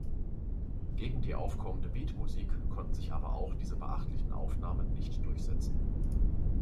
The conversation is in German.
Gegen die aufkommende Beatmusik konnten sich aber auch diese beachtlichen Aufnahmen nicht durchsetzen.